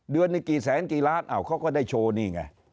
เดือนหนึ่งกี่แสนกี่ล้านอ้าวเขาก็ได้โชว์นี่ไง